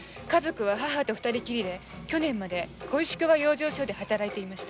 母と二人きりで去年まで小石川の養生所で働いていました。